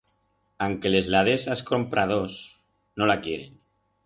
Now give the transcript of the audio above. Anque les la des a's compradors, no la quieren.